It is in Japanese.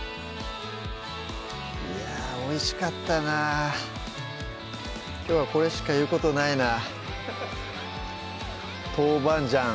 いやおいしかったなきょうはこれしか言うことないなじゃんじゃん